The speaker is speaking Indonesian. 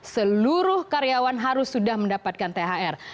seluruh karyawan harus sudah mendapatkan thr